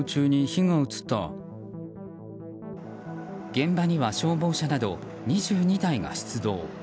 現場には消防車など２２台が出動。